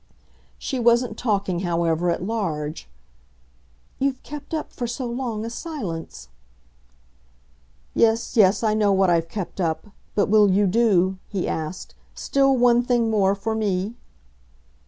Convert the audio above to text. She wasn't talking, however, at large. "You've kept up for so long a silence !" "Yes, yes, I know what I've kept up. But will you do," he asked, "still one thing more for me?"